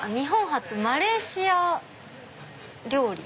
初マレーシア料理？